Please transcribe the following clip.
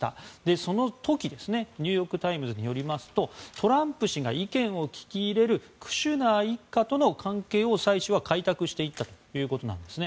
その時ニューヨーク・タイムズによりますとトランプ氏が意見を聞き入れるクシュナー一家との関係をサイ氏は開拓していったということなんですね。